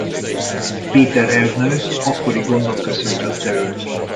Péter Ernő akkori gondnok köszöntötte őt.